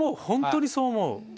本当にそう思う。